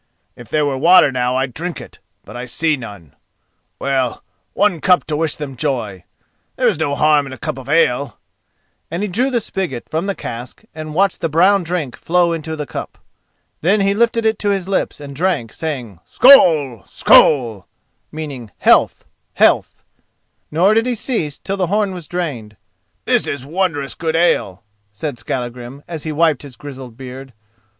If there were water now I'd drink it, but I see none. Well, one cup to wish them joy! There is no harm in a cup of ale," and he drew the spigot from the cask and watched the brown drink flow into the cup. Then he lifted it to his lips and drank, saying "Skoll! skoll!"[*] nor did he cease till the horn was drained. "This is wondrous good ale," said Skallagrim as he wiped his grizzled beard.